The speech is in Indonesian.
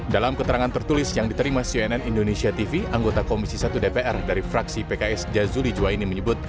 dalam keterangan tertulis yang diterima cnn indonesia tv anggota komisi satu dpr dari fraksi pks jazuli juwaini menyebut